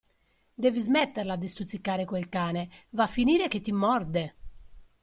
Devi smetterla di stuzzicare quel cane, va a finire che ti morde!